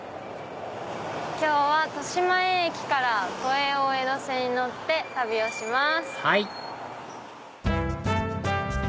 今日は豊島園駅から都営大江戸線に乗って旅をします。